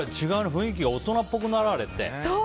雰囲気が大人っぽくなられて。